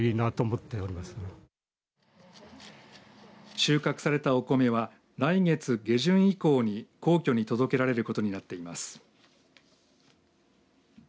収穫されたお米は来月下旬以降に皇居に届けられることになっています。